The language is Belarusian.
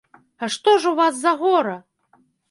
А што ж у вас за гора?